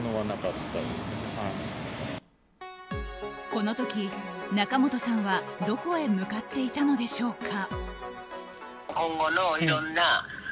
この時、仲本さんはどこへ向かっていたのでしょうか。